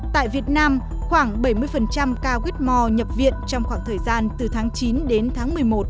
tại việt nam khoảng bảy mươi cao whitmore nhập viện trong khoảng thời gian từ tháng chín đến tháng một mươi một